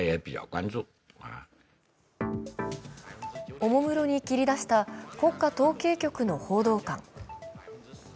おもむろに切り出した国家統計局の報道官。